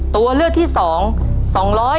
ตัวเลือกที่สาม๓๐๕ตารางกิโลเมตร